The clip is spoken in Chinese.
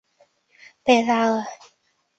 贝拉尔。